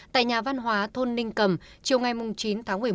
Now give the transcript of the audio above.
tại nhà văn hóa thôn ninh cầm chiều ngày chín tháng một mươi một